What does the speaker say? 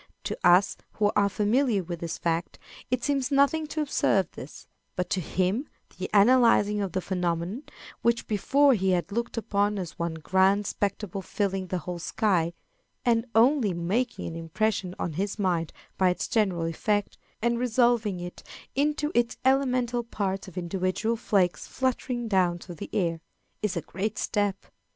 To us, who are familiar with this fact, it seems nothing to observe this, but to him the analyzing of the phenomenon, which before he had looked upon as one grand spectacle filling the whole sky, and only making an impression on his mind by its general effect, and resolving it into its elemental parts of individual flakes fluttering down through the air, is a great step.